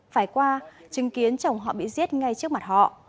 phải qua chứng kiến chồng họ bị giết ngay trước mặt họ